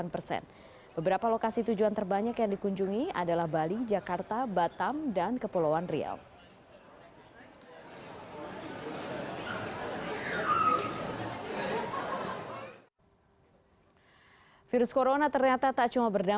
pemerintah juga menghentikan promosi wisata